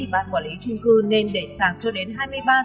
bạn quản lý trung cư nên để xạc cho đến hai mươi ba h ba mươi